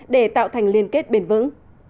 để tạo thành liên kết bền vững